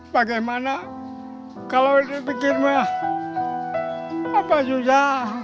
bagaimana kalau dipikir apa juga